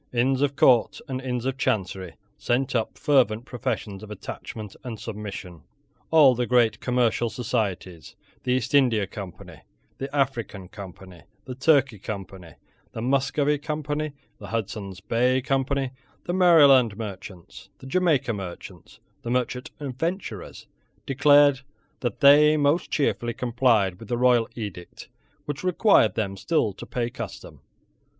Inns of Court and Inns of Chancery sent up fervent professions of attachment and submission. All the great commercial societies, the East India Company, the African Company, the Turkey Company, the Muscovy Company, the Hudson's Bay Company, the Maryland Merchants, the Jamaica Merchants, the Merchant Adventurers, declared that they most cheerfully complied with the royal edict which required them still to pay custom.